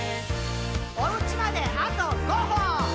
「おうちまであと５歩！」